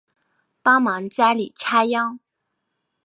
帮忙家里插秧